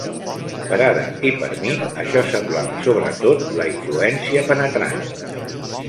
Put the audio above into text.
Per Ada i per mi, això semblava sobre tot la influència penetrant.